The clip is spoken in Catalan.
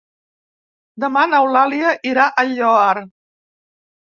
Demà n'Eulàlia irà al Lloar.